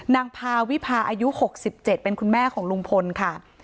นางพาวิพาอายุ๖๗เป็นคุณแม่ของลุงพลค่ะ